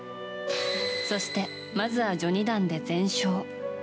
そしてまずは序二段で全勝。